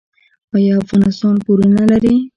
آیا افغانستان پورونه لري؟